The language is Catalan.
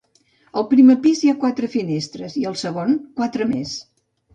Al primer pis hi ha quatre finestres i al segon quatre més.